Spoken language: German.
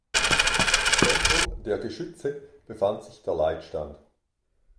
Im Zentrum der Geschütze befand sich der Leitstand.